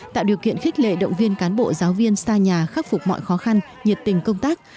tạo điều kiện khích lệ động viên cán bộ giáo viên xa nhà khắc phục mọi khó khăn nhiệt tình công tác